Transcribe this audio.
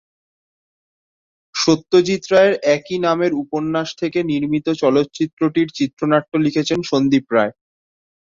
সত্যজিৎ রায়ের একই নামের উপন্যাস থেকে নির্মিত চলচ্চিত্রটির চিত্রনাট্য লিখেছেন সন্দীপ রায়।